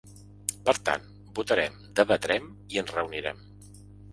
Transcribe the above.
Per tant, votarem, debatrem, i ens reunirem.